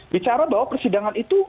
bicara bahwa persidangan itu